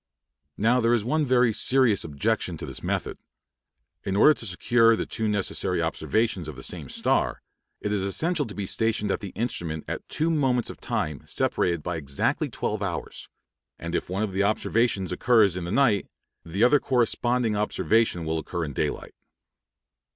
Now, there is one very serious objection to this method. In order to secure the two necessary observations of the same star, it is essential to be stationed at the instrument at two moments of time separated by exactly twelve hours; and if one of the observations occurs in the night, the other corresponding observation will occur in daylight.